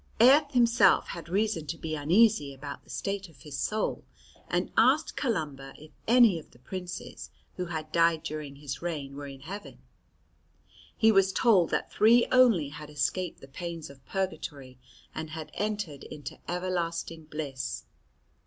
Aedh himself had reason to be uneasy about the state of his soul, and asked Columba if any of the princes who had died during his reign were in heaven. He was told that three only had escaped the pains of purgatory and had entered into everlasting bliss.